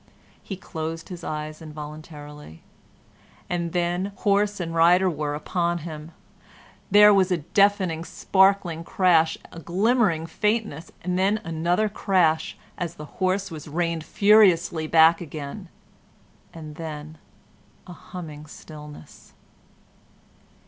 He closed his eyes involuntarily, and then horse and rider were upon him. There was a deafening, sparkling crash, a glimmering faintness, then another crash as the horse was reined furiously back again, and then a humming stillness.